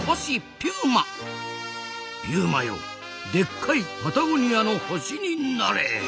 「ぴゅうまよでっかいパタゴニアの星になれ！」。